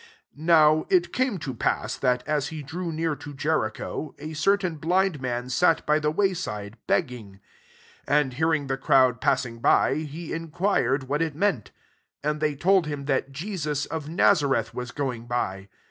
35 NOW it came to pass, that, as he drew near to Jeri cho, a certain blind man sat by the way «rftf begging; 36 and hearing the crowd passing by, he enquired what it meant. S7 And they told him, that Jesus of Nazareth was going by.